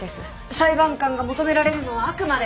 裁判官が求められるのはあくまで。